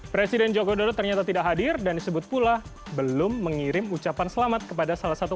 presiden joko widodo ternyata tidak hadir dan disebut pula belum mengirim ucapan selamat kepada salah satu